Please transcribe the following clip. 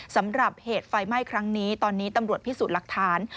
สำหรับเหตุไฟไหม้ครั้งนี้ตอนนี้ตำรวจพิสูจน์หลักฐาน